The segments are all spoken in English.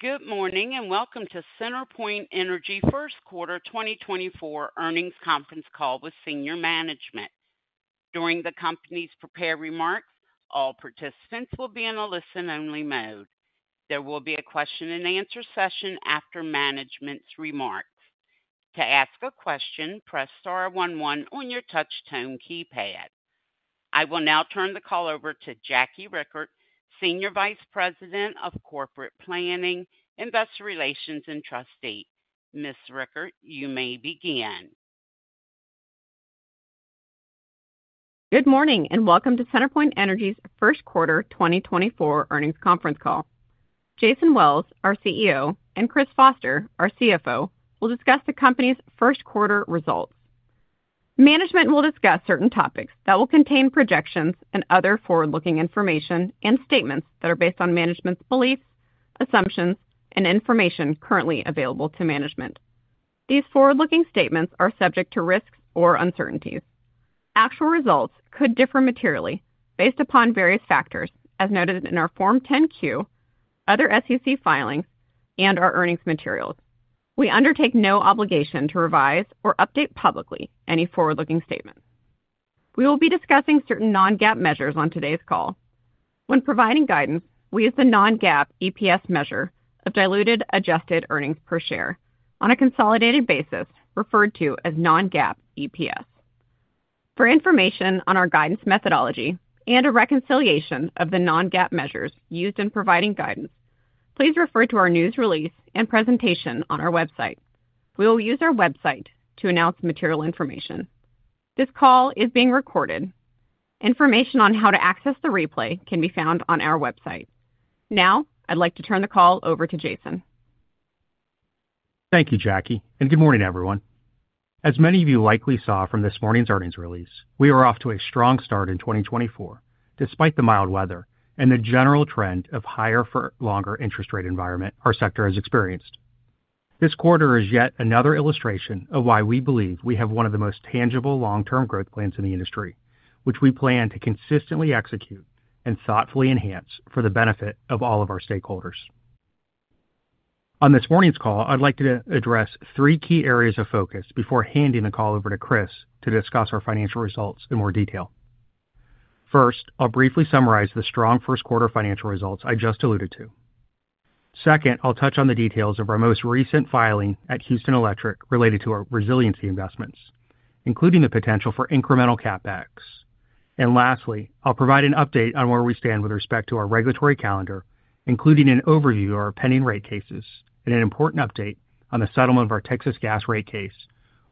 Good morning, and welcome to CenterPoint Energy First Quarter 2024 Earnings Conference call with senior management. During the company's prepared remarks, all participants will be in a listen-only mode. There will be a question-and-answer session after management's remarks. To ask a question, press star one one on your touchtone keypad. I will now turn the call over to Jackie Richert, Senior Vice President of Corporate Planning, Investor Relations, and Treasury. Ms. Richert, you may begin. Good morning, and welcome to CenterPoint Energy's first quarter 2024 earnings conference call. Jason Wells, our CEO, and Chris Foster, our CFO, will discuss the company's first quarter results. Management will discuss certain topics that will contain projections and other forward-looking information and statements that are based on management's beliefs, assumptions, and information currently available to management. These forward-looking statements are subject to risks or uncertainties. Actual results could differ materially based upon various factors as noted in our Form 10-Q, other SEC filings, and our earnings materials. We undertake no obligation to revise or update publicly any forward-looking statement. We will be discussing certain non-GAAP measures on today's call. When providing guidance, we use the non-GAAP EPS measure of diluted adjusted earnings per share on a consolidated basis, referred to as non-GAAP EPS. For information on our guidance methodology and a reconciliation of the non-GAAP measures used in providing guidance, please refer to our news release and presentation on our website. We will use our website to announce material information. This call is being recorded. Information on how to access the replay can be found on our website. Now, I'd like to turn the call over to Jason. Thank you, Jackie, and good morning, everyone. As many of you likely saw from this morning's earnings release, we are off to a strong start in 2024, despite the mild weather and the general trend of higher for longer interest rate environment our sector has experienced. This quarter is yet another illustration of why we believe we have one of the most tangible long-term growth plans in the industry, which we plan to consistently execute and thoughtfully enhance for the benefit of all of our stakeholders. On this morning's call, I'd like to address three key areas of focus before handing the call over to Chris to discuss our financial results in more detail. First, I'll briefly summarize the strong first quarter financial results I just alluded to. Second, I'll touch on the details of our most recent filing at Houston Electric related to our resiliency investments, including the potential for incremental CapEx. Lastly, I'll provide an update on where we stand with respect to our regulatory calendar, including an overview of our pending rate cases and an important update on the settlement of our Texas gas rate case,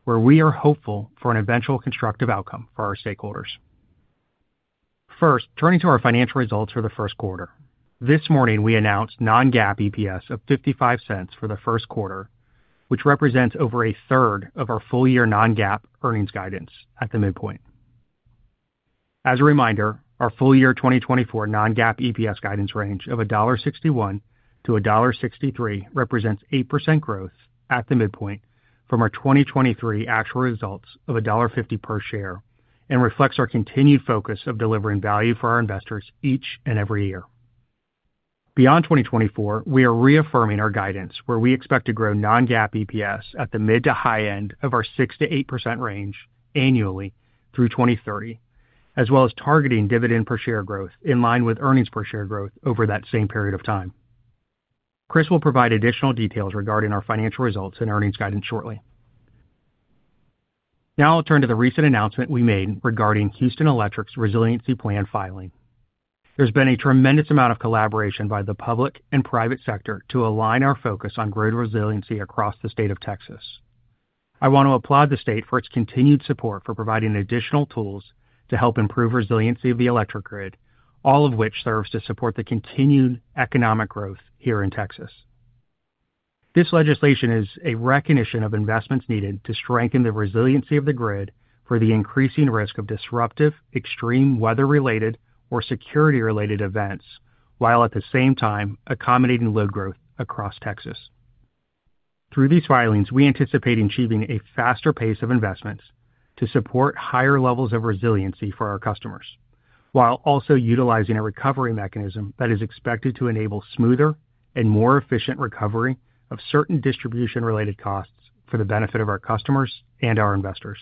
where we are hopeful for an eventual constructive outcome for our stakeholders. First, turning to our financial results for the first quarter. This morning, we announced non-GAAP EPS of $0.55 for the first quarter, which represents over a third of our full-year non-GAAP earnings guidance at the midpoint. As a reminder, our full-year 2024 non-GAAP EPS guidance range of $1.61-$1.63 represents 8% growth at the midpoint from our 2023 actual results of $1.50 per share and reflects our continued focus of delivering value for our investors each and every year. Beyond 2024, we are reaffirming our guidance, where we expect to grow non-GAAP EPS at the mid to high end of our 6%-8% range annually through 2030, as well as targeting dividend per share growth in line with earnings per share growth over that same period of time. Chris will provide additional details regarding our financial results and earnings guidance shortly. Now I'll turn to the recent announcement we made regarding Houston Electric's Resiliency Plan filing. There's been a tremendous amount of collaboration by the public and private sector to align our focus on grid resiliency across the state of Texas. I want to applaud the state for its continued support for providing additional tools to help improve resiliency of the electric grid, all of which serves to support the continued economic growth here in Texas. This legislation is a recognition of investments needed to strengthen the resiliency of the grid for the increasing risk of disruptive, extreme weather-related or security-related events, while at the same time accommodating load growth across Texas. Through these filings, we anticipate achieving a faster pace of investments to support higher levels of resiliency for our customers, while also utilizing a recovery mechanism that is expected to enable smoother and more efficient recovery of certain distribution-related costs for the benefit of our customers and our investors.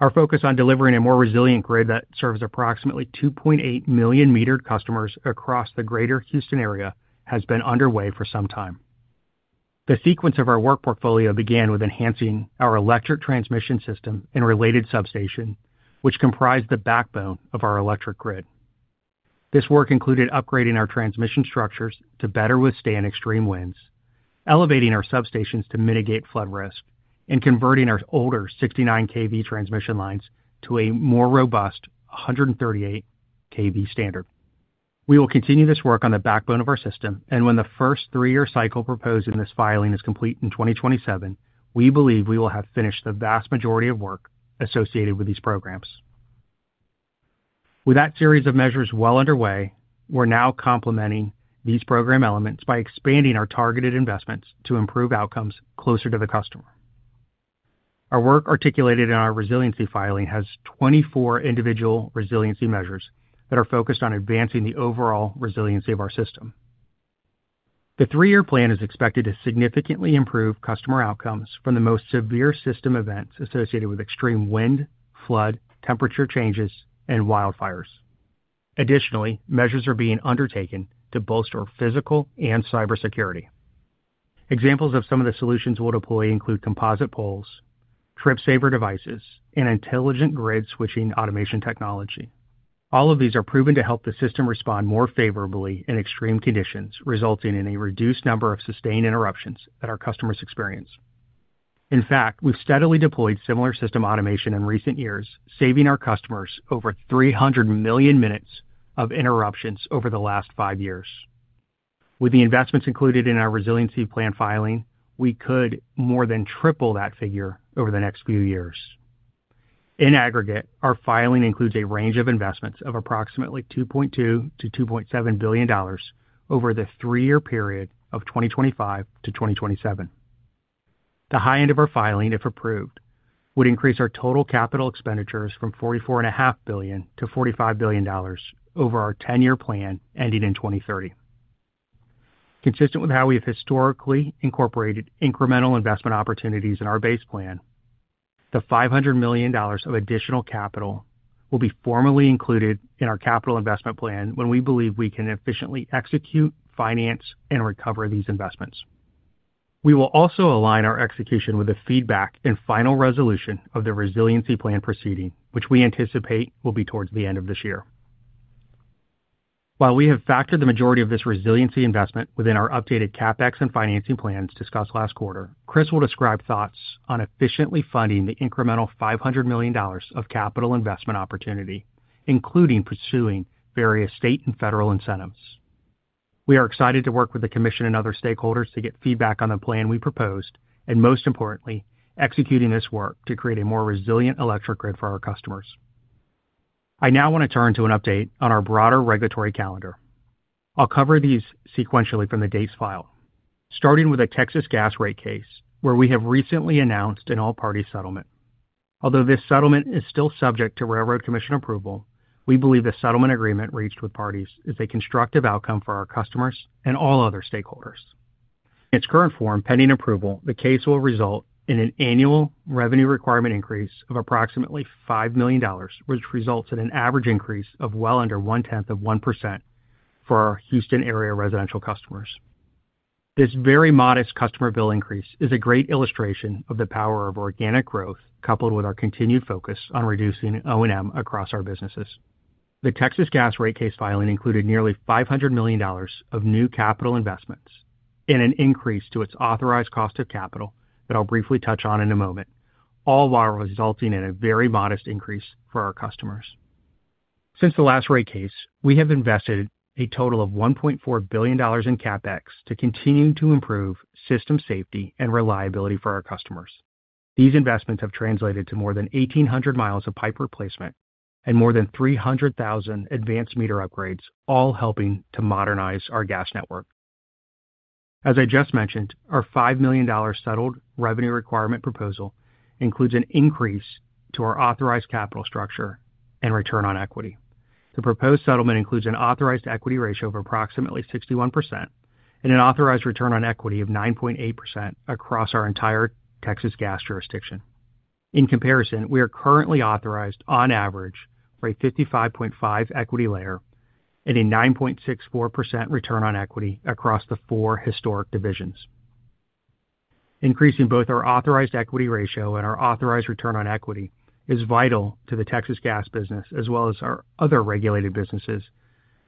Our focus on delivering a more resilient grid that serves approximately 2.8 million metered customers across the greater Houston area has been underway for some time. The sequence of our work portfolio began with enhancing our electric transmission system and related substation, which comprised the backbone of our electric grid. This work included upgrading our transmission structures to better withstand extreme winds, elevating our substations to mitigate flood risk, and converting our older 69 kV transmission lines to a more robust 138 kV standard. We will continue this work on the backbone of our system, and when the first three-year cycle proposed in this filing is complete in 2027, we believe we will have finished the vast majority of work associated with these programs. With that series of measures well underway, we're now complementing these program elements by expanding our targeted investments to improve outcomes closer to the customer... Our work articulated in our resiliency filing has 24 individual resiliency measures that are focused on advancing the overall resiliency of our system. The three-year plan is expected to significantly improve customer outcomes from the most severe system events associated with extreme wind, flood, temperature changes, and wildfires. Additionally, measures are being undertaken to bolster physical and cybersecurity. Examples of some of the solutions we'll deploy include composite poles, trip saver devices, and intelligent grid switching automation technology. All of these are proven to help the system respond more favorably in extreme conditions, resulting in a reduced number of sustained interruptions that our customers experience. In fact, we've steadily deployed similar system automation in recent years, saving our customers over 300 million minutes of interruptions over the last five years. With the investments included in our resiliency plan filing, we could more than triple that figure over the next few years. In aggregate, our filing includes a range of investments of approximately $2.2 billion-$2.7 billion over the three-year period of 2025 to 2027. The high end of our filing, if approved, would increase our total capital expenditures from $44.5 billion to $45 billion over our ten-year plan, ending in 2030. Consistent with how we have historically incorporated incremental investment opportunities in our base plan, the $500 million of additional capital will be formally included in our capital investment plan when we believe we can efficiently execute, finance, and recover these investments. We will also align our execution with the feedback and final resolution of the resiliency plan proceeding, which we anticipate will be towards the end of this year. While we have factored the majority of this resiliency investment within our updated CapEx and financing plans discussed last quarter, Chris will describe thoughts on efficiently funding the incremental $500 million of capital investment opportunity, including pursuing various state and federal incentives. We are excited to work with the commission and other stakeholders to get feedback on the plan we proposed, and most importantly, executing this work to create a more resilient electric grid for our customers. I now want to turn to an update on our broader regulatory calendar. I'll cover these sequentially from the dates filed, starting with a Texas gas rate case, where we have recently announced an all-party settlement. Although this settlement is still subject to Railroad Commission approval, we believe the settlement agreement reached with parties is a constructive outcome for our customers and all other stakeholders. Its current form, pending approval, the case will result in an annual revenue requirement increase of approximately $5 million, which results in an average increase of well under 0.1% for our Houston area residential customers. This very modest customer bill increase is a great illustration of the power of organic growth, coupled with our continued focus on reducing O&M across our businesses. The Texas gas rate case filing included nearly $500 million of new capital investments and an increase to its authorized cost of capital, that I'll briefly touch on in a moment, all while resulting in a very modest increase for our customers. Since the last rate case, we have invested a total of $1.4 billion in CapEx to continue to improve system safety and reliability for our customers. These investments have translated to more than 1,800 miles of pipe replacement and more than 300,000 advanced meter upgrades, all helping to modernize our gas network. As I just mentioned, our $5 million settled revenue requirement proposal includes an increase to our authorized capital structure and return on equity. The proposed settlement includes an authorized equity ratio of approximately 61% and an authorized return on equity of 9.8% across our entire Texas gas jurisdiction. In comparison, we are currently authorized on average for a 55.5 equity layer and a 9.64% return on equity across the four historic divisions. Increasing both our authorized equity ratio and our authorized return on equity is vital to the Texas gas business, as well as our other regulated businesses,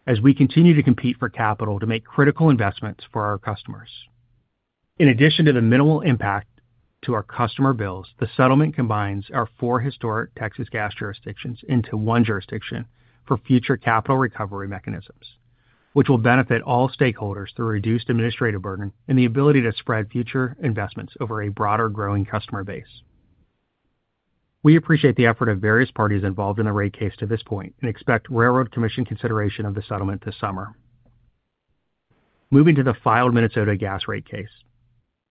as we continue to compete for capital to make critical investments for our customers. In addition to the minimal impact to our customer bills, the settlement combines our four historic Texas gas jurisdictions into one jurisdiction for future capital recovery mechanisms, which will benefit all stakeholders through reduced administrative burden and the ability to spread future investments over a broader, growing customer base. We appreciate the effort of various parties involved in the rate case to this point and expect Railroad Commission consideration of the settlement this summer. Moving to the filed Minnesota gas rate case.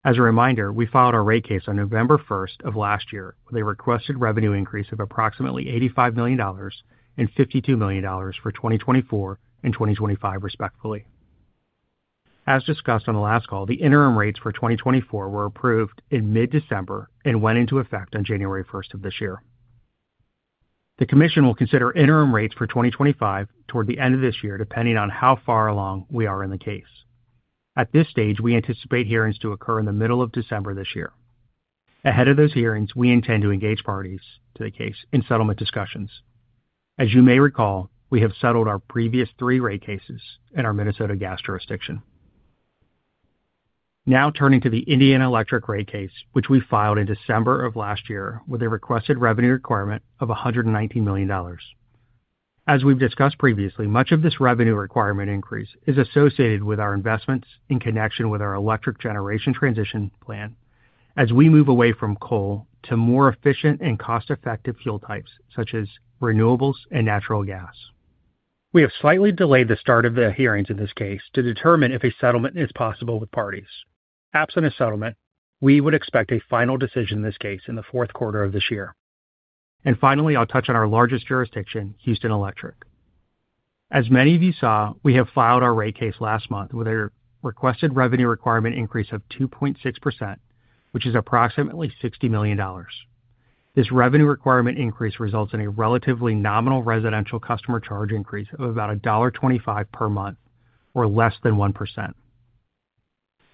As a reminder, we filed our rate case on November 1st of last year with a requested revenue increase of approximately $85 million and $52 million for 2024 and 2025, respectively. As discussed on the last call, the interim rates for 2024 were approved in mid-December and went into effect on January 1st of this year. The commission will consider interim rates for 2025 toward the end of this year, depending on how far along we are in the case. At this stage, we anticipate hearings to occur in the middle of December this year. Ahead of those hearings, we intend to engage parties to the case in settlement discussions. As you may recall, we have settled our previous three rate cases in our Minnesota gas jurisdiction. Now turning to the Indiana Electric rate case, which we filed in December of last year with a requested revenue requirement of $119 million. As we've discussed previously, much of this revenue requirement increase is associated with our investments in connection with our electric generation transition plan as we move away from coal to more efficient and cost-effective fuel types, such as renewables and natural gas. We have slightly delayed the start of the hearings in this case to determine if a settlement is possible with parties. Absent a settlement, we would expect a final decision in this case in the fourth quarter of this year. And finally, I'll touch on our largest jurisdiction, Houston Electric. As many of you saw, we have filed our rate case last month with a requested revenue requirement increase of 2.6%, which is approximately $60 million. This revenue requirement increase results in a relatively nominal residential customer charge increase of about $1.25 per month or less than 1%.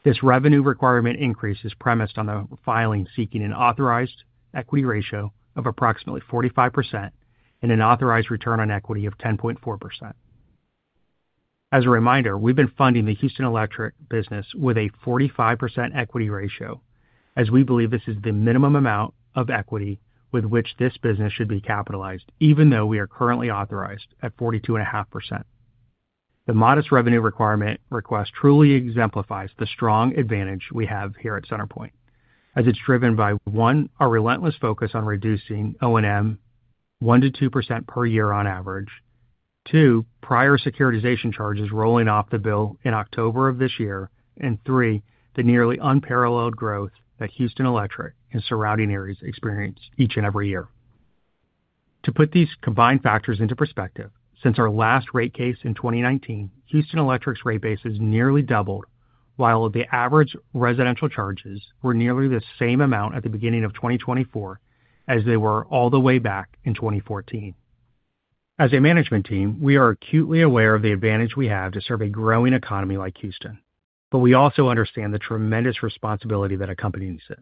This revenue requirement increase is premised on the filing, seeking an authorized equity ratio of approximately 45% and an authorized return on equity of 10.4%. As a reminder, we've been funding the Houston Electric business with a 45% equity ratio, as we believe this is the minimum amount of equity with which this business should be capitalized, even though we are currently authorized at 42.5%. The modest revenue requirement request truly exemplifies the strong advantage we have here at CenterPoint, as it's driven by, one, our relentless focus on reducing O&M 1%-2% per year on average. Two, prior securitization charges rolling off the bill in October of this year, and three, the nearly unparalleled growth that Houston Electric and surrounding areas experience each and every year. To put these combined factors into perspective, since our last rate case in 2019, Houston Electric's rate base has nearly doubled, while the average residential charges were nearly the same amount at the beginning of 2024 as they were all the way back in 2014. As a management team, we are acutely aware of the advantage we have to serve a growing economy like Houston, but we also understand the tremendous responsibility that accompanies it.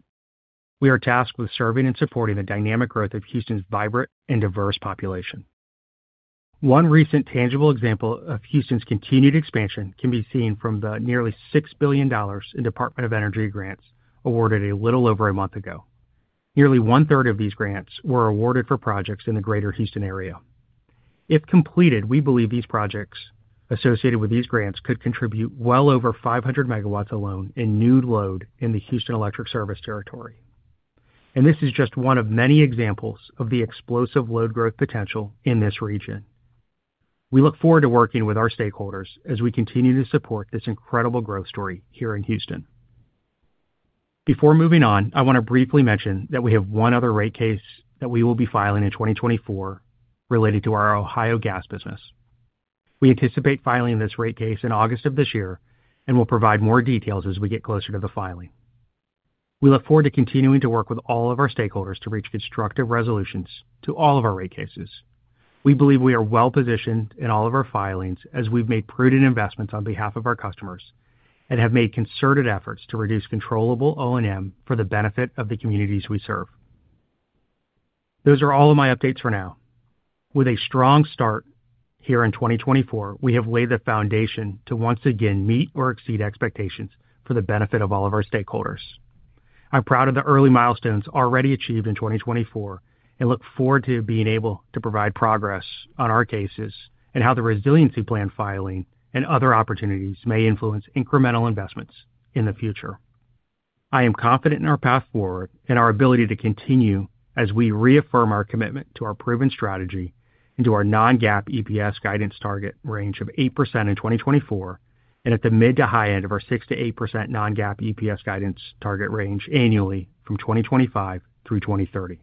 We are tasked with serving and supporting the dynamic growth of Houston's vibrant and diverse population. One recent tangible example of Houston's continued expansion can be seen from the nearly $6 billion in Department of Energy grants awarded a little over a month ago. Nearly one-third of these grants were awarded for projects in the greater Houston area. If completed, we believe these projects associated with these grants could contribute well 500 MW alone in new load in the Houston Electric service territory, and this is just one of many examples of the explosive load growth potential in this region. We look forward to working with our stakeholders as we continue to support this incredible growth story here in Houston. Before moving on, I want to briefly mention that we have one other rate case that we will be filing in 2024 related to our Ohio gas business. We anticipate filing this rate case in August of this year and will provide more details as we get closer to the filing. We look forward to continuing to work with all of our stakeholders to reach constructive resolutions to all of our rate cases. We believe we are well-positioned in all of our filings as we've made prudent investments on behalf of our customers and have made concerted efforts to reduce controllable O&M for the benefit of the communities we serve. Those are all of my updates for now. With a strong start here in 2024, we have laid the foundation to once again meet or exceed expectations for the benefit of all of our stakeholders. I'm proud of the early milestones already achieved in 2024 and look forward to being able to provide progress on our cases and how the resiliency plan filing and other opportunities may influence incremental investments in the future. I am confident in our path forward and our ability to continue as we reaffirm our commitment to our proven strategy and to our Non-GAAP EPS guidance target range of 8% in 2024, and at the mid to high end of our 6%-8% Non-GAAP EPS guidance target range annually from 2025 through 2030.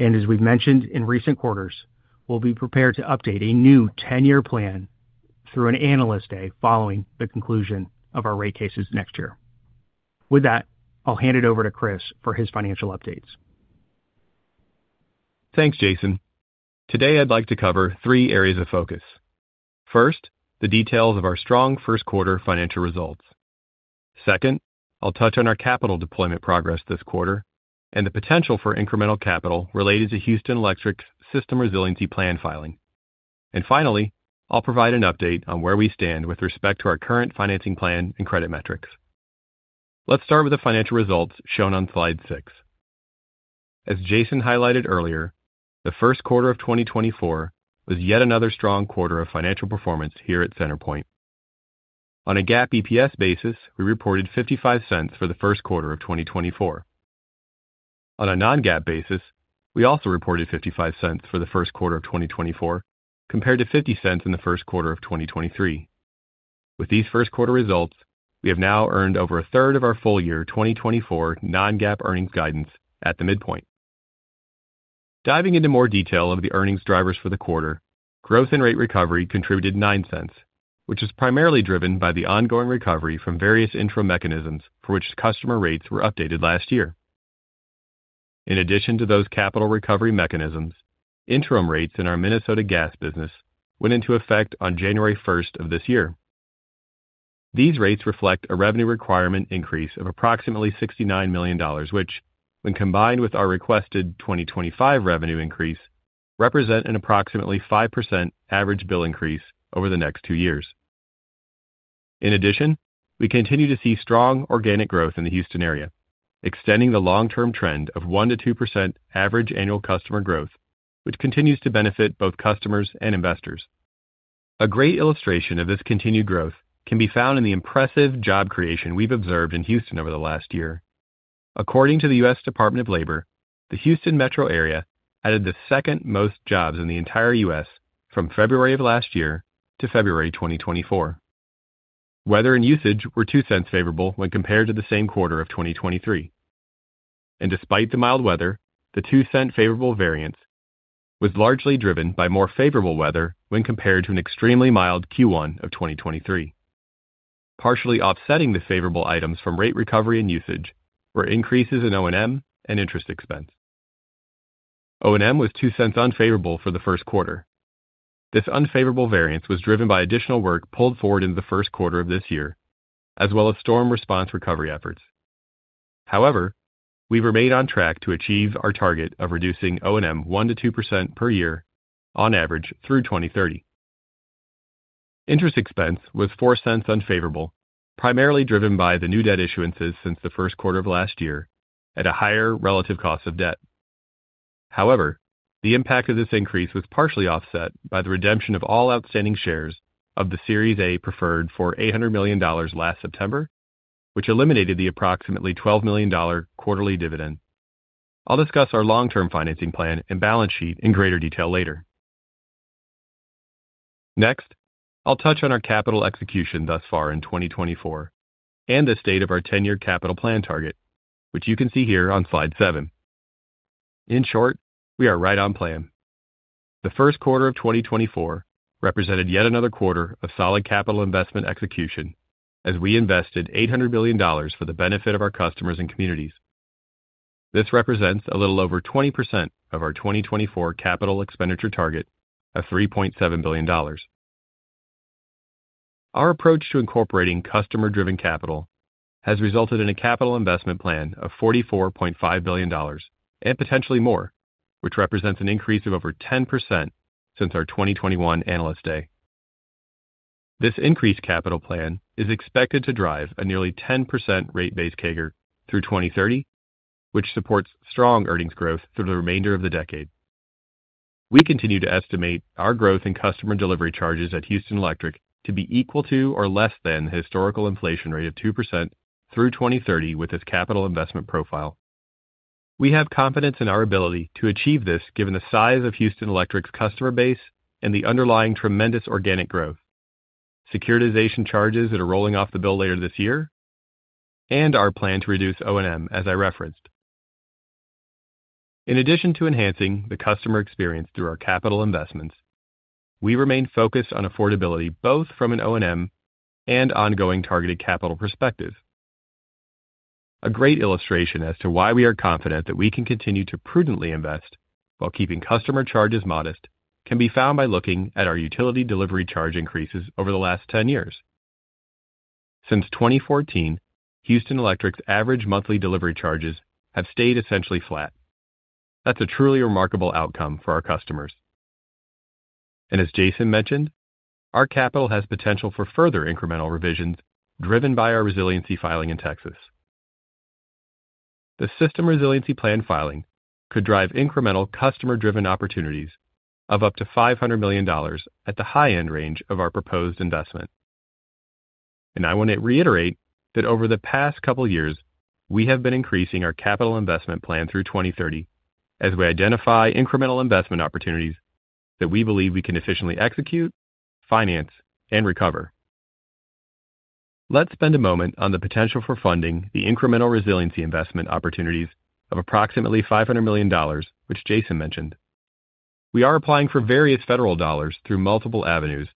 As we've mentioned in recent quarters, we'll be prepared to update a new 10-year plan through an Analyst Day following the conclusion of our rate cases next year. With that, I'll hand it over to Chris for his financial updates. Thanks, Jason. Today, I'd like to cover three areas of focus. First, the details of our strong first quarter financial results. Second, I'll touch on our capital deployment progress this quarter and the potential for incremental capital related to Houston Electric's System Resiliency Plan filing. And finally, I'll provide an update on where we stand with respect to our current financing plan and credit metrics. Let's start with the financial results shown on slide six. As Jason highlighted earlier, the first quarter of 2024 was yet another strong quarter of financial performance here at CenterPoint. On a GAAP EPS basis, we reported $0.55 for the first quarter of 2024. On a non-GAAP basis, we also reported $0.55 for the first quarter of 2024, compared to $0.50 in the first quarter of 2023. With these first quarter results, we have now earned over a third of our full year 2024 non-GAAP earnings guidance at the midpoint. Diving into more detail of the earnings drivers for the quarter, growth and rate recovery contributed $0.09, which is primarily driven by the ongoing recovery from various interim mechanisms for which customer rates were updated last year. In addition to those capital recovery mechanisms, interim rates in our Minnesota gas business went into effect on January 1st of this year. These rates reflect a revenue requirement increase of approximately $69 million, which, when combined with our requested 2025 revenue increase, represent an approximately 5% average bill increase over the next two years. In addition, we continue to see strong organic growth in the Houston area, extending the long-term trend of 1%-2% average annual customer growth, which continues to benefit both customers and investors. A great illustration of this continued growth can be found in the impressive job creation we've observed in Houston over the last year. According to the U.S. Department of Labor, the Houston metro area added the second most jobs in the entire U.S. from February of last year to February 2024. Weather and usage were $0.02 favorable when compared to the same quarter of 2023. And despite the mild weather, the $0.02 favorable variance was largely driven by more favorable weather when compared to an extremely mild Q1 of 2023. Partially offsetting the favorable items from rate recovery and usage were increases in O&M and interest expense. O&M was $0.02 unfavorable for the first quarter. This unfavorable variance was driven by additional work pulled forward into the first quarter of this year, as well as storm response recovery efforts. However, we remain on track to achieve our target of reducing O&M 1%-2% per year on average through 2030. Interest expense was $0.04 unfavorable, primarily driven by the new debt issuances since the first quarter of last year at a higher relative cost of debt. However, the impact of this increase was partially offset by the redemption of all outstanding shares of the Series A preferred for $800 million last September, which eliminated the approximately $12 million quarterly dividend. I'll discuss our long-term financing plan and balance sheet in greater detail later. Next, I'll touch on our capital execution thus far in 2024 and the state of our 10-year capital plan target, which you can see here on slide seven. In short, we are right on plan. The first quarter of 2024 represented yet another quarter of solid capital investment execution as we invested $800 million for the benefit of our customers and communities. This represents a little over 20% of our 2024 capital expenditure target of $3.7 billion. Our approach to incorporating customer-driven capital has resulted in a capital investment plan of $44.5 billion, and potentially more, which represents an increase of over 10% since our 2021 Analyst Day. This increased capital plan is expected to drive a nearly 10% rate base CAGR through 2030, which supports strong earnings growth through the remainder of the decade. We continue to estimate our growth in customer delivery charges at Houston Electric to be equal to or less than the historical inflation rate of 2% through 2030 with this capital investment profile. We have confidence in our ability to achieve this, given the size of Houston Electric's customer base and the underlying tremendous organic growth, securitization charges that are rolling off the bill later this year, and our plan to reduce O&M, as I referenced. In addition to enhancing the customer experience through our capital investments, we remain focused on affordability, both from an O&M and ongoing targeted capital perspective. A great illustration as to why we are confident that we can continue to prudently invest while keeping customer charges modest, can be found by looking at our utility delivery charge increases over the last 10 years. Since 2014, Houston Electric's average monthly delivery charges have stayed essentially flat. That's a truly remarkable outcome for our customers. As Jason mentioned, our capital has potential for further incremental revisions driven by our resiliency filing in Texas. The system resiliency plan filing could drive incremental customer-driven opportunities of up to $500 million at the high-end range of our proposed investment. I want to reiterate that over the past couple years, we have been increasing our capital investment plan through 2030 as we identify incremental investment opportunities that we believe we can efficiently execute, finance, and recover. Let's spend a moment on the potential for funding the incremental resiliency investment opportunities of approximately $500 million, which Jason mentioned. We are applying for various federal dollars through multiple avenues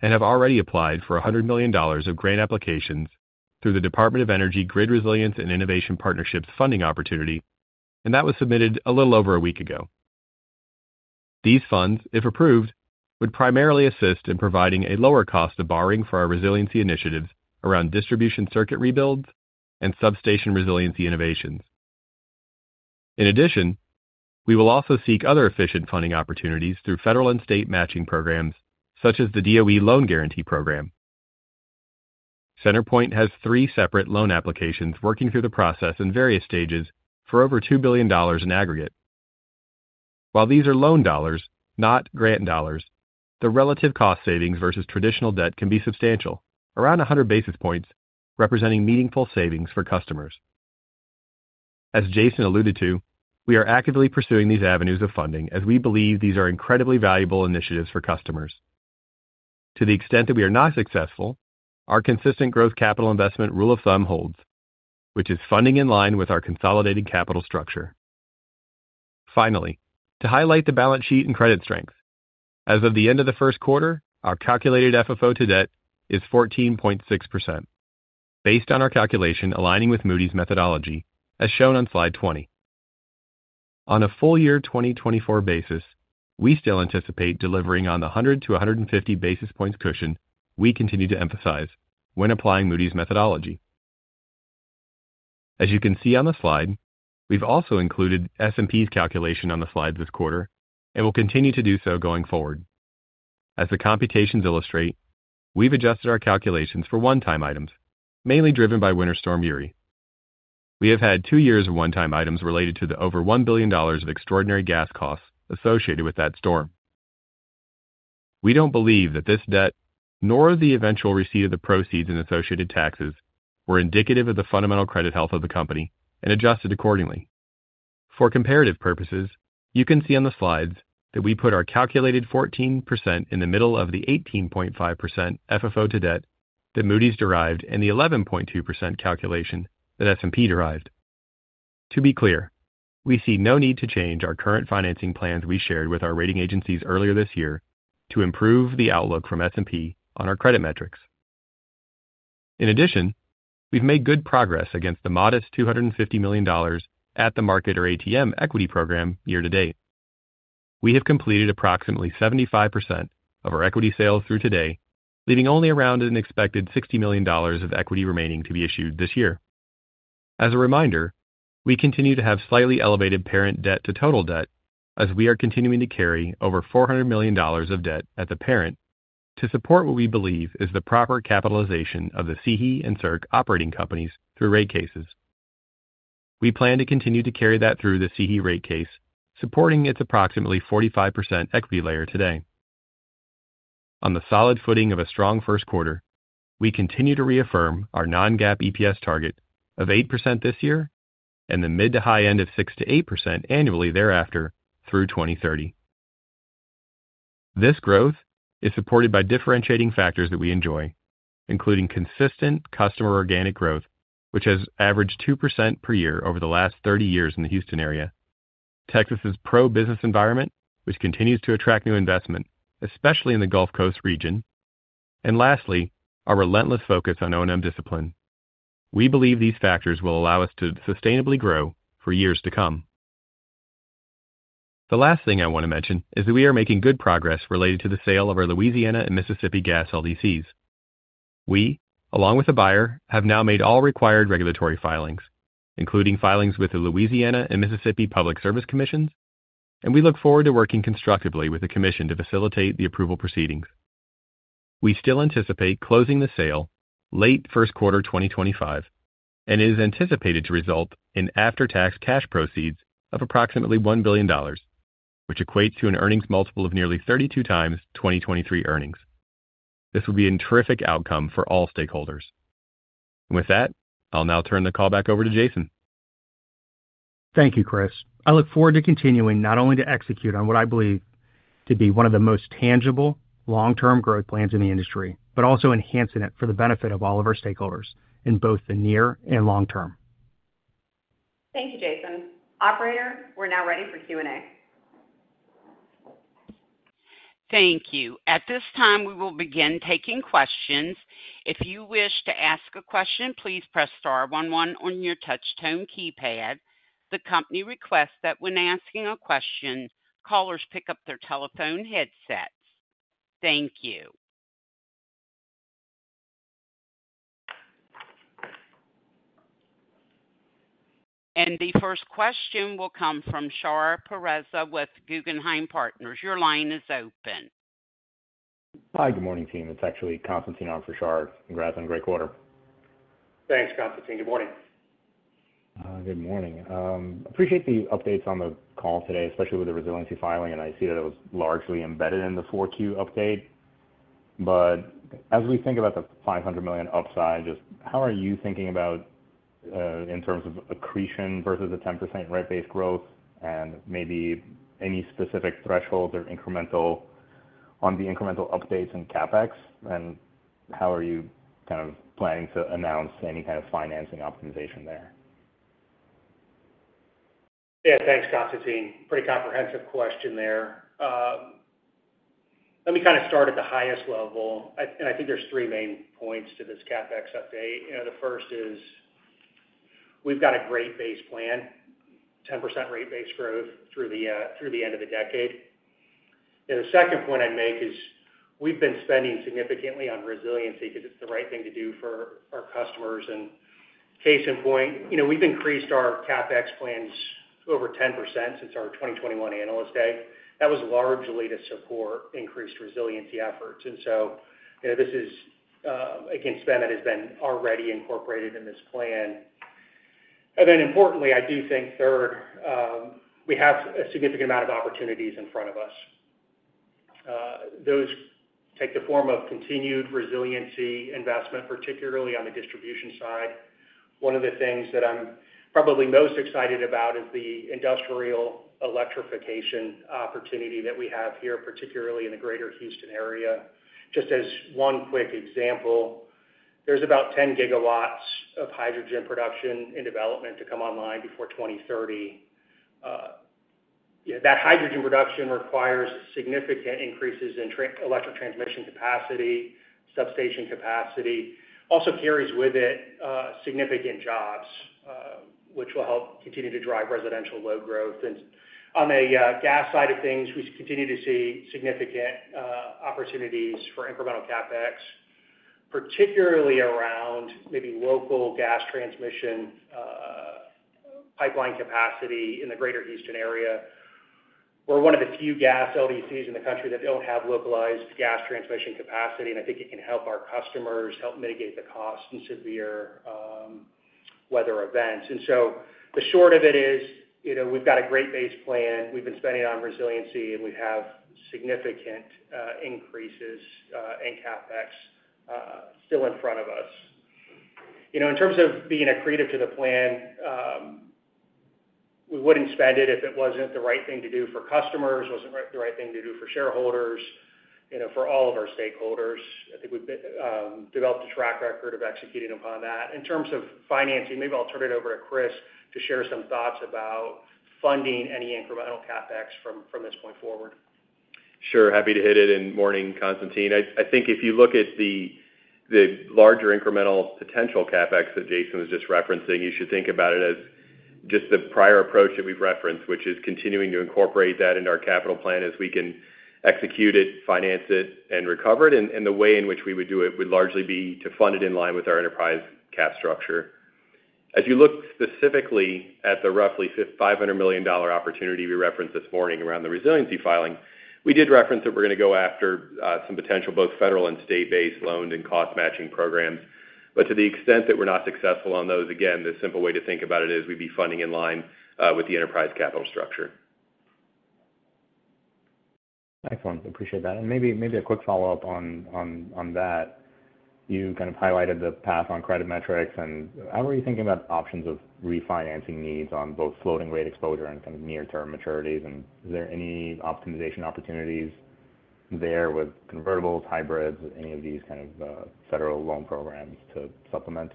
and have already applied for $100 million of grant applications through the Department of Energy Grid Resilience and Innovation Partnerships funding opportunity, and that was submitted a little over a week ago. These funds, if approved, would primarily assist in providing a lower cost of borrowing for our resiliency initiatives around distribution circuit rebuilds and substation resiliency innovations. In addition, we will also seek other efficient funding opportunities through federal and state matching programs, such as the DOE Loan Guarantee Program. CenterPoint has three separate loan applications working through the process in various stages for over $2 billion in aggregate. While these are loan dollars, not grant dollars, the relative cost savings versus traditional debt can be substantial, around 100 basis points, representing meaningful savings for customers. As Jason alluded to, we are actively pursuing these avenues of funding as we believe these are incredibly valuable initiatives for customers. To the extent that we are not successful, our consistent growth capital investment rule of thumb holds, which is funding in line with our consolidated capital structure. Finally, to highlight the balance sheet and credit strength, as of the end of the first quarter, our calculated FFO to debt is 14.6%, based on our calculation aligning with Moody's methodology, as shown on slide 20. On a full year 2024 basis, we still anticipate delivering on the 100-150 basis points cushion we continue to emphasize when applying Moody's methodology. As you can see on the slide, we've also included S&P's calculation on the slide this quarter and will continue to do so going forward. As the computations illustrate, we've adjusted our calculations for one-time items, mainly driven by Winter Storm Uri. We have had two years of one-time items related to the over $1 billion of extraordinary gas costs associated with that storm... We don't believe that this debt, nor the eventual receipt of the proceeds and associated taxes, were indicative of the fundamental credit health of the company and adjusted accordingly. For comparative purposes, you can see on the slides that we put our calculated 14% in the middle of the 18.5% FFO to debt that Moody's derived and the 11.2% calculation that S&P derived. To be clear, we see no need to change our current financing plans we shared with our rating agencies earlier this year to improve the outlook from S&P on our credit metrics. In addition, we've made good progress against the modest $250 million at-the-market or ATM equity program year to date. We have completed approximately 75% of our equity sales through today, leaving only around an expected $60 million of equity remaining to be issued this year. As a reminder, we continue to have slightly elevated parent debt to total debt as we are continuing to carry over $400 million of debt at the parent to support what we believe is the proper capitalization of the CEHE and CERC operating companies through rate cases. We plan to continue to carry that through the CEHE rate case, supporting its approximately 45% equity layer today. On the solid footing of a strong first quarter, we continue to reaffirm our non-GAAP EPS target of 8% this year and the mid- to high-end of 6%-8% annually thereafter through 2030. This growth is supported by differentiating factors that we enjoy, including consistent customer organic growth, which has averaged 2% per year over the last 30 years in the Houston area. Texas' pro-business environment, which continues to attract new investment, especially in the Gulf Coast region, and lastly, our relentless focus on O&M discipline. We believe these factors will allow us to sustainably grow for years to come. The last thing I want to mention is that we are making good progress related to the sale of our Louisiana and Mississippi gas LDCs. We, along with the buyer, have now made all required regulatory filings, including filings with the Louisiana and Mississippi Public Service Commissions, and we look forward to working constructively with the commission to facilitate the approval proceedings. We still anticipate closing the sale late first quarter 2025, and it is anticipated to result in after-tax cash proceeds of approximately $1 billion, which equates to an earnings multiple of nearly 32x 2023 earnings. This will be a terrific outcome for all stakeholders. With that, I'll now turn the call back over to Jason. Thank you, Chris. I look forward to continuing not only to execute on what I believe to be one of the most tangible long-term growth plans in the industry, but also enhancing it for the benefit of all of our stakeholders in both the near and long term. Thank you, Jason. Operator, we're now ready for Q&A. Thank you. At this time, we will begin taking questions. If you wish to ask a question, please press star one one on your touch tone keypad. The company requests that when asking a question, callers pick up their telephone headsets. Thank you. And the first question will come from Shar Pourreza with Guggenheim Partners. Your line is open. Hi, good morning, team. It's actually Constantine on for Shar. Congrats on a great quarter. Thanks, Constantine. Good morning. Good morning. Appreciate the updates on the call today, especially with the resiliency filing, and I see that it was largely embedded in the 4Q update. But as we think about the $500 million upside, just how are you thinking about, in terms of accretion versus the 10% rate base growth and maybe any specific thresholds or incremental on the incremental updates in CapEx, and how are you kind of planning to announce any kind of financing optimization there? Yeah, thanks, Constantine. Pretty comprehensive question there. Let me kind of start at the highest level, and I think there's three main points to this CapEx update. You know, the first is we've got a great base plan, 10% rate base growth through the end of the decade. And the second point I'd make is we've been spending significantly on resiliency because it's the right thing to do for our customers. And case in point, you know, we've increased our CapEx plans over 10% since our 2021 Analyst Day. That was largely to support increased resiliency efforts. And so, you know, this is again, spend that has been already incorporated in this plan. And then importantly, I do think third, we have a significant amount of opportunities in front of us. Those take the form of continued resiliency investment, particularly on the distribution side. One of the things that I'm probably most excited about is the industrial electrification opportunity that we have here, particularly in the greater Houston area. Just as one quick example, there's about 10 GW of hydrogen production in development to come online before 2030. Yeah, that hydrogen production requires significant increases in electric transmission capacity, substation capacity. Also carries with it significant jobs, which will help continue to drive residential load growth. And on a gas side of things, we continue to see significant opportunities for incremental CapEx, particularly around maybe local gas transmission pipeline capacity in the greater Houston area. We're one of the few gas LDCs in the country that don't have localized gas transmission capacity, and I think it can help our customers, help mitigate the cost in severe weather events. So the short of it is, you know, we've got a great base plan. We've been spending on resiliency, and we have significant increases in CapEx still in front of us. You know, in terms of being accretive to the plan, we wouldn't spend it if it wasn't the right thing to do for customers, wasn't the right thing to do for shareholders, you know, for all of our stakeholders. I think we've developed a track record of executing upon that. In terms of financing, maybe I'll turn it over to Chris to share some thoughts about funding any incremental CapEx from this point forward. Sure, happy to hit it, and morning, Constantine. I think if you look at the larger incremental potential CapEx that Jason was just referencing, you should think about it as just the prior approach that we've referenced, which is continuing to incorporate that into our capital plan as we can execute it, finance it, and recover it. And the way in which we would do it would largely be to fund it in line with our enterprise cap structure. As you look specifically at the roughly $500 million opportunity we referenced this morning around the resiliency filing, we did reference that we're going to go after some potential, both federal and state-based loans and cost-matching programs. But to the extent that we're not successful on those, again, the simple way to think about it is we'd be funding in line with the enterprise capital structure. Excellent. Appreciate that. And maybe, maybe a quick follow-up on, on, on that. You kind of highlighted the path on credit metrics, and how are you thinking about options of refinancing needs on both floating rate exposure and kind of near-term maturities? And is there any optimization opportunities there with convertibles, hybrids, any of these kind of, federal loan programs to supplement?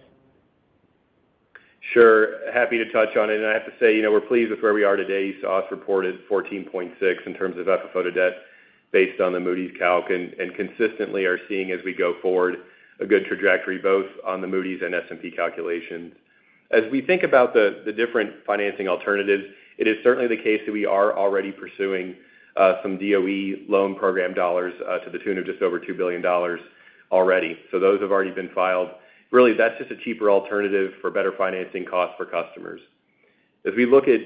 Sure. Happy to touch on it. And I have to say, you know, we're pleased with where we are today. You saw us report at 14.6% in terms of FFO to debt based on the Moody's calc, and consistently are seeing, as we go forward, a good trajectory, both on the Moody's and S&P calculations. As we think about the different financing alternatives, it is certainly the case that we are already pursuing some DOE loan program dollars to the tune of just over $2 billion already. So those have already been filed. Really, that's just a cheaper alternative for better financing costs for customers. As we look at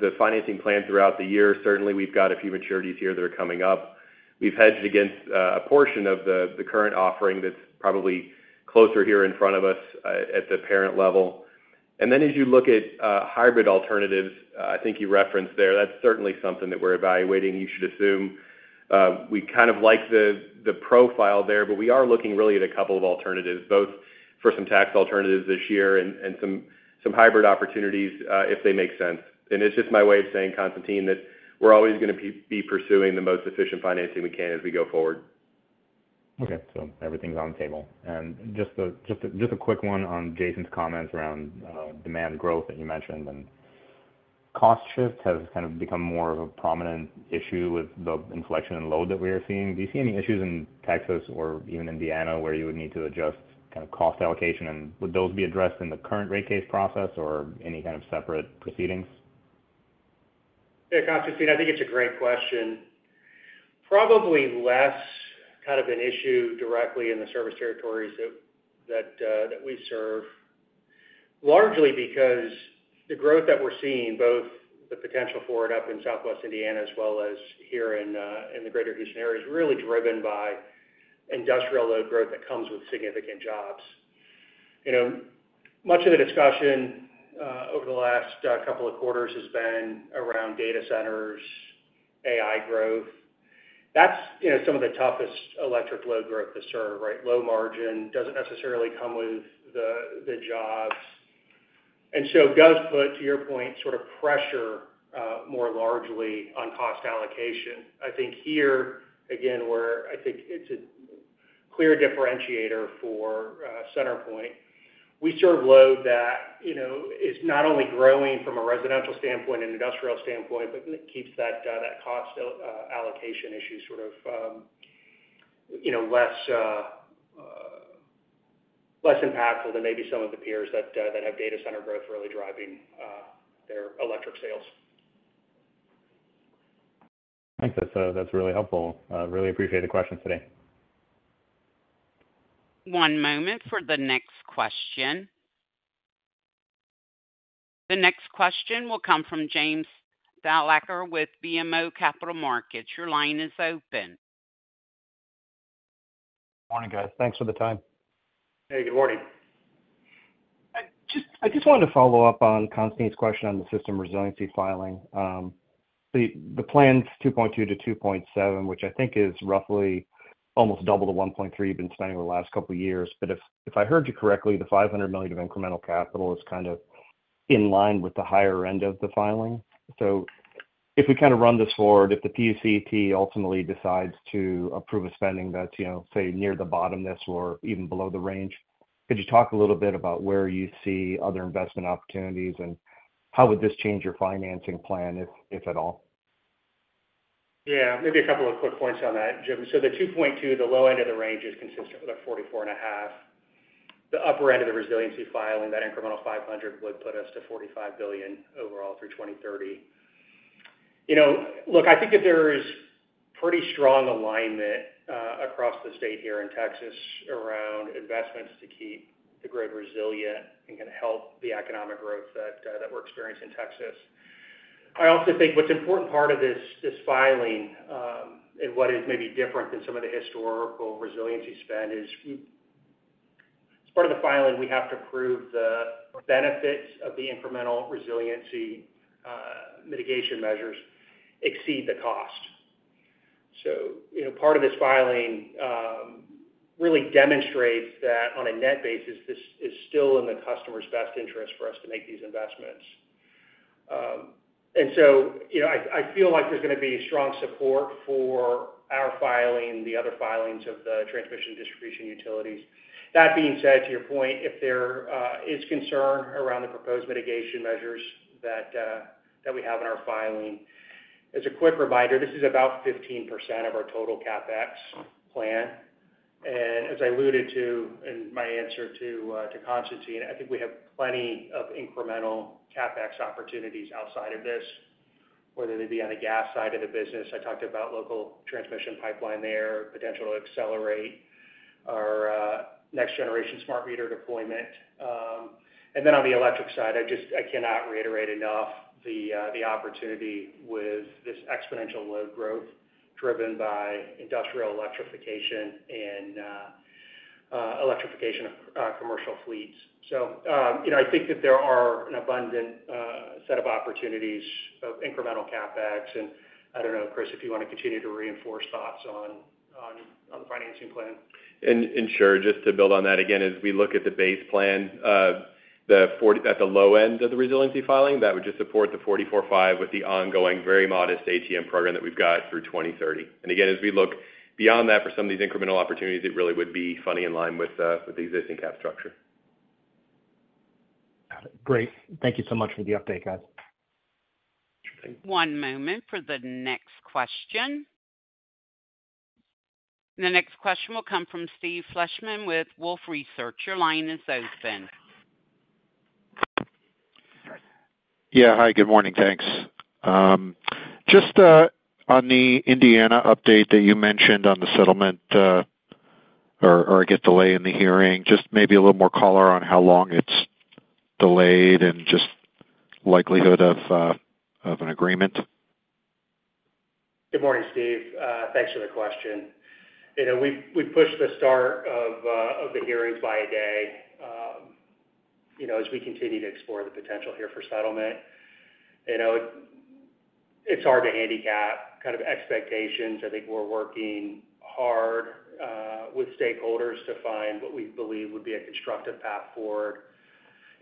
the financing plan throughout the year, certainly, we've got a few maturities here that are coming up. We've hedged against a portion of the current offering that's probably closer here in front of us at the parent level. And then as you look at hybrid alternatives, I think you referenced there, that's certainly something that we're evaluating. You should assume we kind of like the profile there, but we are looking really at a couple of alternatives, both for some tax alternatives this year and some hybrid opportunities if they make sense. And it's just my way of saying, Constantine, that we're always going to be pursuing the most efficient financing we can as we go forward. Okay, so everything's on the table. Just a quick one on Jason's comments around demand growth that you mentioned. Cost shift has kind of become more of a prominent issue with the inflection in load that we are seeing. Do you see any issues in Texas or even Indiana, where you would need to adjust kind of cost allocation? Would those be addressed in the current rate case process or any kind of separate proceedings? Yeah, Constantine, I think it's a great question. Probably less kind of an issue directly in the service territories that that we serve, largely because the growth that we're seeing, both the potential for it up in Southwest Indiana as well as here in in the greater Houston area, is really driven by industrial load growth that comes with significant jobs. You know, much of the discussion over the last couple of quarters has been around data centers, AI growth. That's, you know, some of the toughest electric load growth to serve, right? Low margin, doesn't necessarily come with the the jobs. And so it does put, to your point, sort of pressure more largely on cost allocation. I think here, again, where I think it's a clear differentiator for CenterPoint, we serve load that, you know, is not only growing from a residential standpoint and industrial standpoint, but it keeps that that cost all- allocation issue sort of, you know, less less impactful than maybe some of the peers that that have data center growth really driving their electric sales. Thanks. That's, that's really helpful. Really appreciate the question today. One moment for the next question. The next question will come from James Thalacker with BMO Capital Markets. Your line is open. Morning, guys. Thanks for the time. Hey, good morning. I just, I just wanted to follow up on Constantine's question on the system resiliency filing. The plan's $2.2-$2.7, which I think is roughly almost double the $1.3 you've been spending over the last couple of years. But if, if I heard you correctly, the $500 million of incremental capital is kind of in line with the higher end of the filing. So if we kind of run this forward, if the PUCT ultimately decides to approve a spending that's, you know, say, near the bottom, this or even below the range, could you talk a little bit about where you see other investment opportunities, and how would this change your financing plan, if, if at all? Yeah, maybe a couple of quick points on that, Jim. So the 2.2, the low end of the range, is consistent with a 44.5. The upper end of the resiliency filing, that incremental 500, would put us to $45 billion overall through 2030. You know, look, I think that there is pretty strong alignment across the state here in Texas around investments to keep the grid resilient and can help the economic growth that we're experiencing in Texas. I also think what's important part of this, this filing, and what is maybe different than some of the historical resiliency spend is, as part of the filing, we have to prove the benefits of the incremental resiliency mitigation measures exceed the cost. So, you know, part of this filing really demonstrates that on a net basis, this is still in the customer's best interest for us to make these investments. And so, you know, I, I feel like there's gonna be strong support for our filing, the other filings of the transmission and distribution utilities. That being said, to your point, if there is concern around the proposed mitigation measures that that we have in our filing, as a quick reminder, this is about 15% of our total CapEx plan. And as I alluded to in my answer to to Constantine, I think we have plenty of incremental CapEx opportunities outside of this, whether they be on the gas side of the business, I talked about local transmission pipeline there, potential to accelerate our next generation smart meter deployment. And then on the electric side, I just—I cannot reiterate enough the opportunity with this exponential load growth driven by industrial electrification and electrification of commercial fleets. So, you know, I think that there are an abundant set of opportunities of incremental CapEx. And I don't know, Chris, if you want to continue to reinforce thoughts on the financing plan. Sure, just to build on that, again, as we look at the base plan, at the low end of the resiliency filing, that would just support the $44.5 billion with the ongoing, very modest ATM program that we've got through 2030. Again, as we look beyond that, for some of these incremental opportunities, it really would be funny in line with the existing cap structure. Got it. Great. Thank you so much for the update, guys. One moment for the next question. The next question will come from Steve Fleishman with Wolfe Research. Your line is open. Yeah. Hi, good morning, thanks. Just on the Indiana update that you mentioned on the settlement, or delay in the hearing, just maybe a little more color on how long it's delayed and just likelihood of an agreement. Good morning, Steve. Thanks for the question. You know, we pushed the start of the hearings by a day, you know, as we continue to explore the potential here for settlement. You know, it's hard to handicap kind of expectations. I think we're working hard with stakeholders to find what we believe would be a constructive path forward.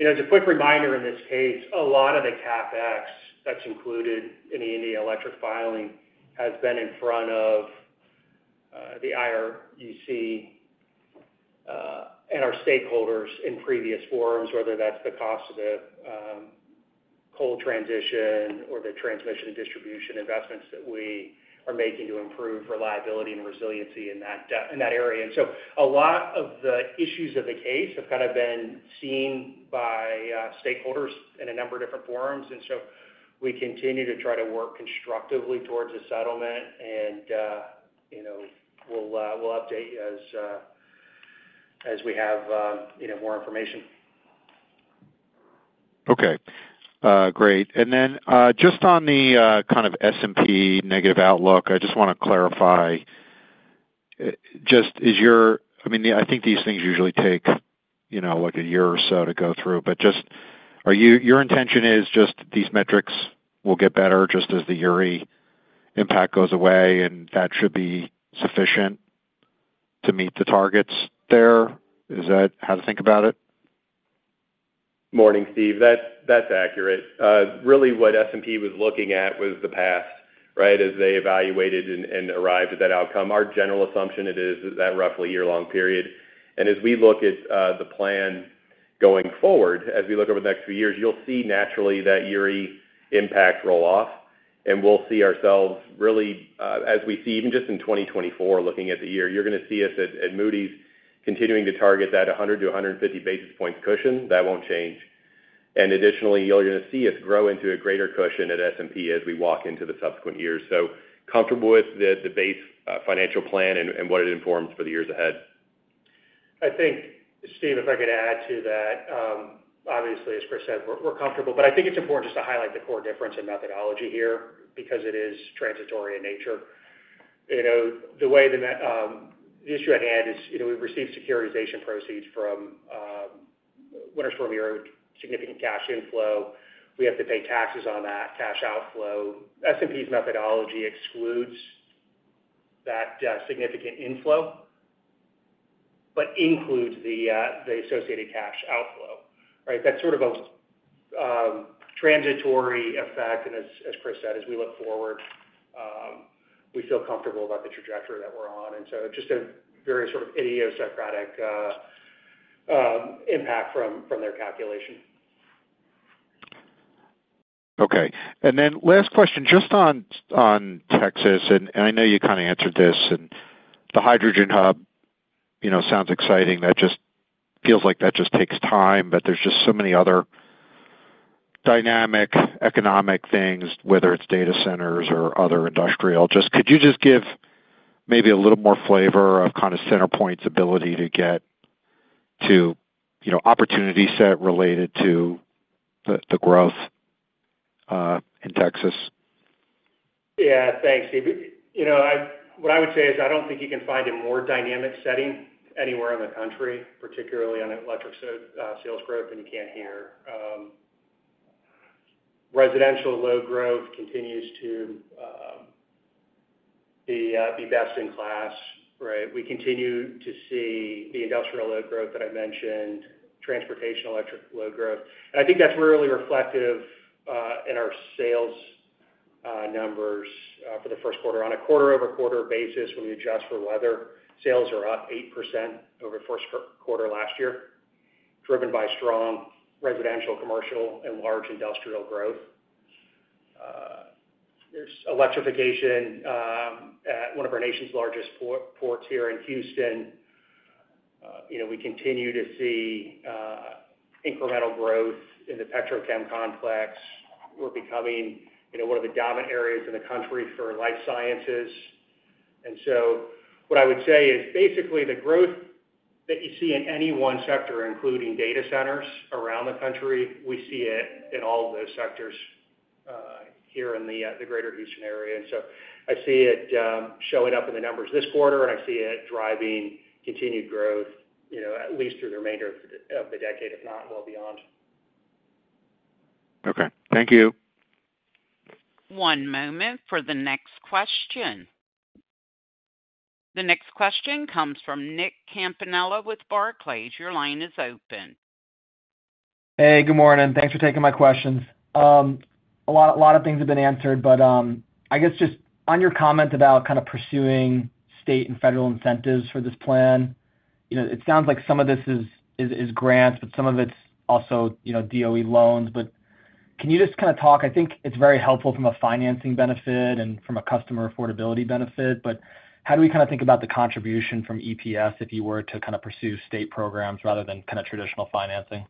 You know, as a quick reminder, in this case, a lot of the CapEx that's included in the Indiana electric filing has been in front of the IURC and our stakeholders in previous forums, whether that's the cost of the coal transition or the transmission and distribution investments that we are making to improve reliability and resiliency in that area. And so a lot of the issues of the case have kind of been seen by stakeholders in a number of different forums, and so we continue to try to work constructively towards a settlement. And, you know, we'll update you as we have, you know, more information. Okay. Great. And then, just on the kind of S&P negative outlook, I just want to clarify. Just is your-- I mean, I think these things usually take, you know, like, a year or so to go through, but just, are your intention is just these metrics will get better just as the Uri impact goes away, and that should be sufficient to meet the targets there? Is that how to think about it? Morning, Steve. That's, that's accurate. Really, what S&P was looking at was the past, right? As they evaluated and arrived at that outcome. Our general assumption it is, is that roughly a year-long period. And as we look at the plan going forward, as we look over the next few years, you'll see naturally that Uri impact roll off, and we'll see ourselves really, as we see even just in 2024, looking at the year, you're gonna see us at Moody's, continuing to target that 100-150 basis points cushion. That won't change. And additionally, you're gonna see us grow into a greater cushion at S&P as we walk into the subsequent years. So comfortable with the base financial plan and what it informs for the years ahead. I think, Steve, if I could add to that, obviously, as Chris said, we're comfortable, but I think it's important just to highlight the core difference in methodology here because it is transitory in nature. You know, the way the issue at hand is, you know, we've received securitization proceeds from winter storm, significant cash inflow. We have to pay taxes on that cash outflow. S&P's methodology excludes that significant inflow, but includes the associated cash outflow, right? That's sort of a transitory effect, and as Chris said, as we look forward, we feel comfortable about the trajectory that we're on. And so just a very sort of idiosyncratic impact from their calculation. Okay. And then last question, just on Texas, and I know you kind of answered this, and the Hydrogen Hub, you know, sounds exciting. That just feels like that just takes time, but there's just so many other dynamic economic things, whether it's data centers or other industrial. Just, could you just give maybe a little more flavor of kind of CenterPoint's ability to get... to, you know, opportunity set related to the growth in Texas? Yeah, thanks, Steve. You know, I—what I would say is I don't think you can find a more dynamic setting anywhere in the country, particularly on electric sales growth, than you can here. Residential load growth continues to be best in class, right? We continue to see the industrial load growth that I mentioned, transportation, electric load growth. And I think that's really reflective in our sales numbers for the first quarter. On a quarter-over-quarter basis, when we adjust for weather, sales are up 8% over the first quarter last year, driven by strong residential, commercial, and large industrial growth. There's electrification at one of our nation's largest ports here in Houston. You know, we continue to see incremental growth in the petrochem complex. We're becoming, you know, one of the dominant areas in the country for life sciences. And so what I would say is, basically, the growth that you see in any one sector, including data centers around the country, we see it in all those sectors here in the greater Houston area. And so I see it showing up in the numbers this quarter, and I see it driving continued growth, you know, at least through the remainder of the decade, if not well beyond. Okay, thank you. One moment for the next question. The next question comes from Nick Campanella with Barclays. Your line is open. Hey, good morning. Thanks for taking my questions. A lot of things have been answered, but I guess just on your comment about kind of pursuing state and federal incentives for this plan, you know, it sounds like some of this is grants, but some of it's also, you know, DOE loans. But can you just kind of talk? I think it's very helpful from a financing benefit and from a customer affordability benefit, but how do we kind of think about the contribution from EPS if you were to kind of pursue state programs rather than kind of traditional financing?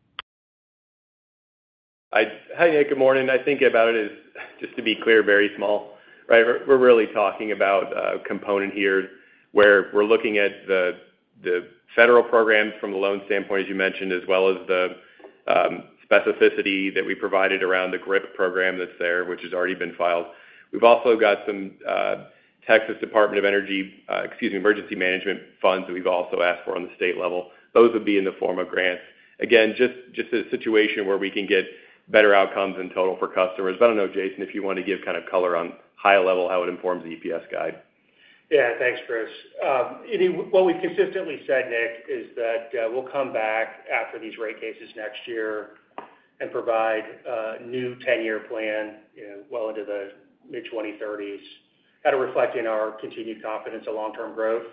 Hey, Nick, good morning. I think about it as, just to be clear, very small, right? We're really talking about a component here, where we're looking at the federal programs from the loan standpoint, as you mentioned, as well as the specificity that we provided around the GRIP program that's there, which has already been filed. We've also got some Texas Department of Energy, excuse me, Emergency Management funds that we've also asked for on the state level. Those would be in the form of grants. Again, just a situation where we can get better outcomes in total for customers. But I don't know, Jason, if you want to give kind of color on high level, how it informs the EPS guide. Yeah, thanks, Chris. What we've consistently said, Nick, is that we'll come back after these rate cases next year and provide a new ten-year plan, you know, well into the mid-2030s, kind of reflecting our continued confidence of long-term growth.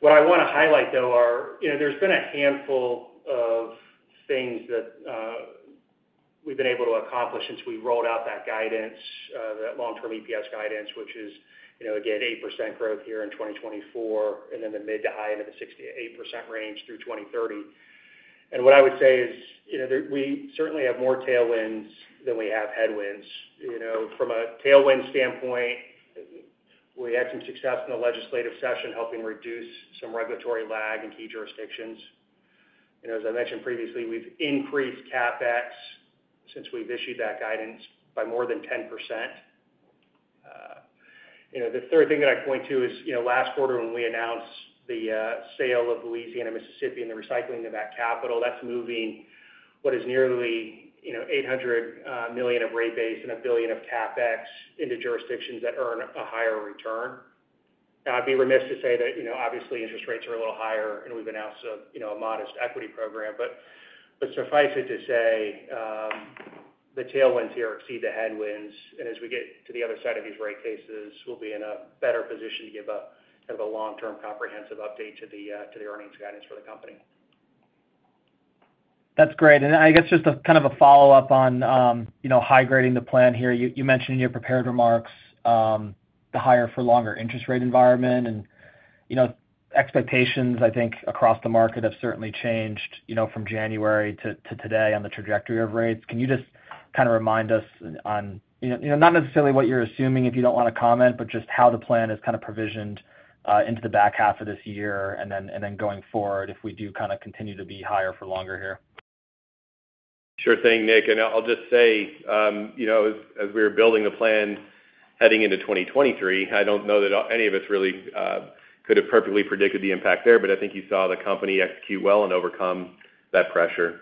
What I want to highlight, though, are, you know, there's been a handful of things that we've been able to accomplish since we rolled out that guidance, that long-term EPS guidance, which is, you know, again, 8% growth here in 2024, and then the mid- to high-end of the 6%-8% range through 2030. And what I would say is, you know, we certainly have more tailwinds than we have headwinds. You know, from a tailwind standpoint, we had some success in the legislative session, helping reduce some regulatory lag in key jurisdictions. And as I mentioned previously, we've increased CapEx since we've issued that guidance by more than 10%. You know, the third thing that I'd point to is, you know, last quarter, when we announced the sale of Louisiana, Mississippi, and the recycling of that capital, that's moving what is nearly, you know, $800 million of rate base and $1 billion of CapEx into jurisdictions that earn a higher return. Now, I'd be remiss to say that, you know, obviously, interest rates are a little higher, and we've announced a, you know, a modest equity program. But, but suffice it to say, the tailwinds here exceed the headwinds, and as we get to the other side of these rate cases, we'll be in a better position to give a, kind of a long-term comprehensive update to the, to the earnings guidance for the company. That's great. And I guess just a kind of a follow-up on, you know, high grading the plan here. You mentioned in your prepared remarks the higher for longer interest rate environment and, you know, expectations, I think, across the market have certainly changed, you know, from January to today on the trajectory of rates. Can you just kind of remind us on, you know, not necessarily what you're assuming if you don't want to comment, but just how the plan is kind of provisioned into the back half of this year, and then going forward, if we do kind of continue to be higher for longer here? Sure thing, Nick. And I'll just say, you know, as we were building the plan heading into 2023, I don't know that any of us really could have perfectly predicted the impact there, but I think you saw the company execute well and overcome that pressure.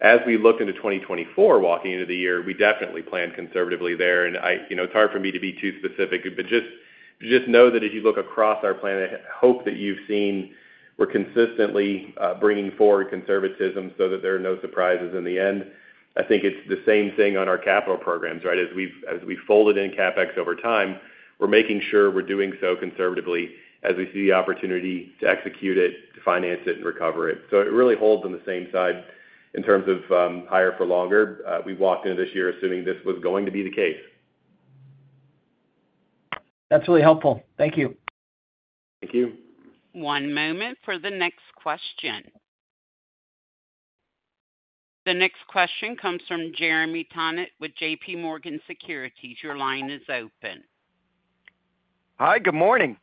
As we look into 2024, walking into the year, we definitely planned conservatively there. And, you know, it's hard for me to be too specific, but just know that as you look across our plan, I hope that you've seen we're consistently bringing forward conservatism so that there are no surprises in the end. I think it's the same thing on our capital programs, right? As we folded in CapEx over time, we're making sure we're doing so conservatively as we see the opportunity to execute it, to finance it and recover it. So it really holds on the same side in terms of higher for longer. We've walked into this year assuming this was going to be the case. That's really helpful. Thank you. Thank you. One moment for the next question. The next question comes from Jeremy Tonet with JPMorgan Securities. Your line is open. Hi, good morning.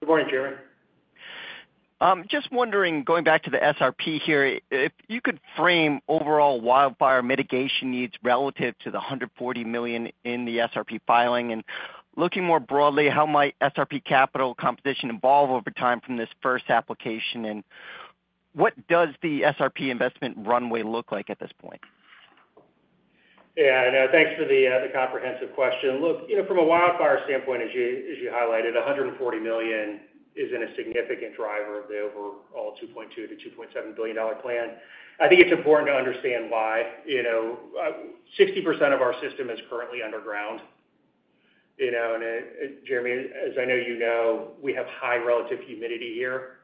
Good morning, Jeremy. Just wondering, going back to the SRP here, if you could frame overall wildfire mitigation needs relative to the $140 million in the SRP filing, and looking more broadly, how might SRP capital competition evolve over time from this first application? And what does the SRP investment runway look like at this point? Yeah, I know. Thanks for the comprehensive question. Look, you know, from a wildfire standpoint, as you highlighted, $140 million isn't a significant driver of the overall $2.2 billion-$2.7 billion plan. I think it's important to understand why, you know, 60% of our system is currently underground, you know, and, Jeremy, as I know you know, we have high relative humidity here,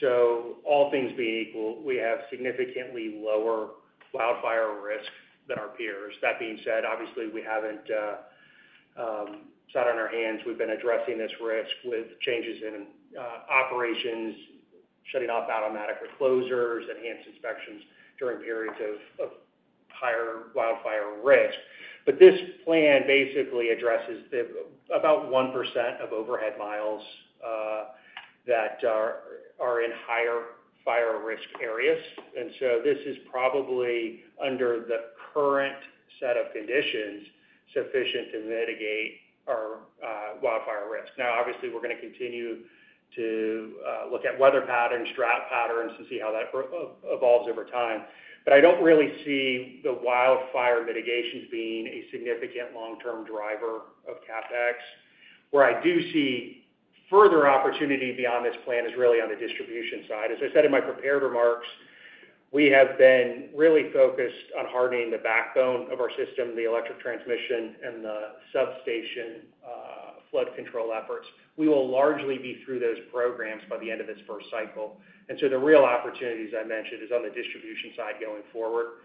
so all things being equal, we have significantly lower wildfire risk than our peers. That being said, obviously, we haven't sat on our hands. We've been addressing this risk with changes in operations, shutting off automatic reclosers, enhanced inspections during periods of higher wildfire risk. But this plan basically addresses about 1% of overhead miles that are in higher fire risk areas. And so this is probably, under the current set of conditions, sufficient to mitigate our wildfire risk. Now, obviously, we're gonna continue to look at weather patterns, drought patterns, to see how that evolves over time, but I don't really see the wildfire mitigations being a significant long-term driver of CapEx. Where I do see further opportunity beyond this plan is really on the distribution side. As I said in my prepared remarks, we have been really focused on hardening the backbone of our system, the electric transmission and the substation flood control efforts. We will largely be through those programs by the end of this first cycle. And so the real opportunities I mentioned is on the distribution side going forward,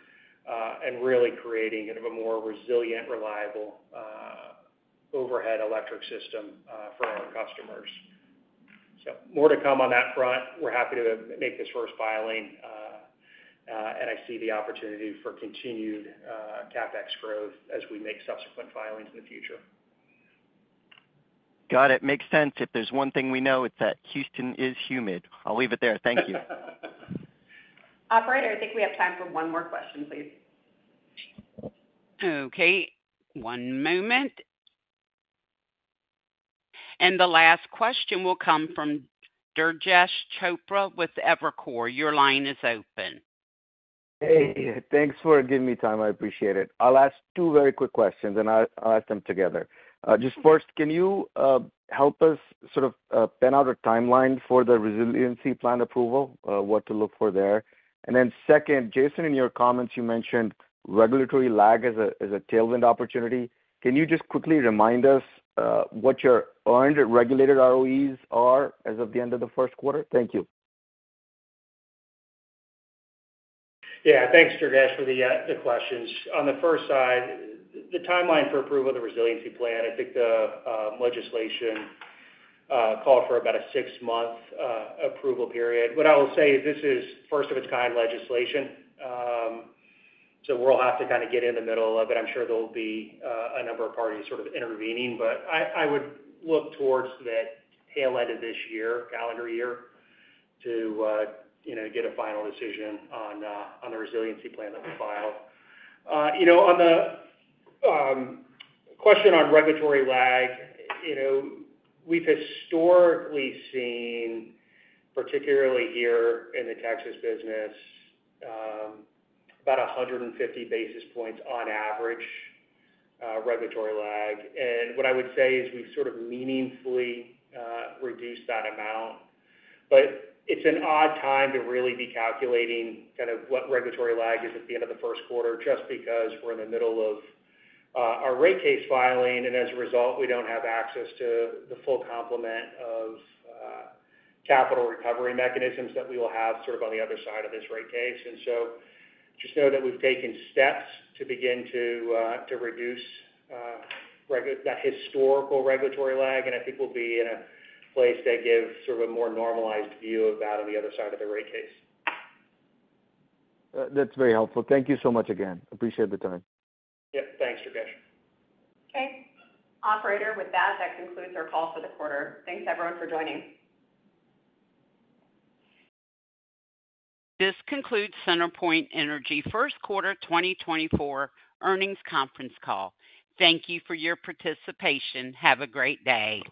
and really creating kind of a more resilient, reliable overhead electric system for our customers. So more to come on that front. We're happy to make this first filing, and I see the opportunity for continued CapEx growth as we make subsequent filings in the future. Got it! Makes sense. If there's one thing we know, it's that Houston is humid. I'll leave it there. Thank you. Operator, I think we have time for one more question, please. Okay, one moment. The last question will come from Durgesh Chopra with Evercore. Your line is open. Hey, thanks for giving me time. I appreciate it. I'll ask two very quick questions, and I'll ask them together. Just first, can you help us sort of pan out a timeline for the resiliency plan approval, what to look for there? And then second, Jason, in your comments, you mentioned regulatory lag as a tailwind opportunity. Can you just quickly remind us, what your earned regulated ROEs are as of the end of the first quarter? Thank you. Yeah, thanks, Durgesh, for the questions. On the first side, the timeline for approval of the resiliency plan, I think the legislation called for about a six-month approval period. What I will say is this is first of its kind legislation, so we'll have to kind of get in the middle of it. I'm sure there will be a number of parties sort of intervening, but I would look towards the tail end of this year, calendar year, to you know, get a final decision on the resiliency plan that we filed. You know, on the question on regulatory lag, you know, we've historically seen, particularly here in the Texas business, about 150 basis points on average, regulatory lag. And what I would say is we've sort of meaningfully reduced that amount. It's an odd time to really be calculating kind of what regulatory lag is at the end of the first quarter, just because we're in the middle of our rate case filing, and as a result, we don't have access to the full complement of capital recovery mechanisms that we will have sort of on the other side of this rate case. So just know that we've taken steps to begin to reduce that historical regulatory lag, and I think we'll be in a place that gives sort of a more normalized view of that on the other side of the rate case. That's very helpful. Thank you so much again. Appreciate the time. Yep, thanks, Durgesh. Okay. Operator, with that, that concludes our call for the quarter. Thanks, everyone, for joining. This concludes CenterPoint Energy First Quarter 2024 Earnings Conference Call. Thank you for your participation. Have a great day.